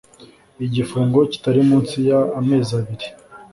Igifungo kitari munsi y amezi abiri